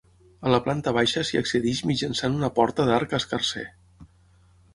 A la planta baixa s'hi accedeix mitjançant una porta d'arc escarser.